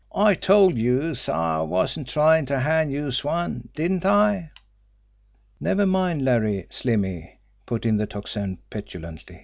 I told youse I wasn't tryin' to hand youse one, didn't I?" "Never mind Larry, Slimmy," put in the Tocsin petulantly.